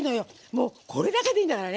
もう、これだけでいいんだから。